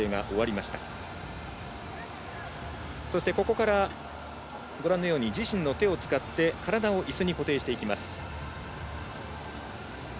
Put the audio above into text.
そして、ここから自身の手を使って体をいすに固定していきます。